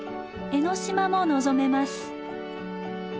江の島も望めます。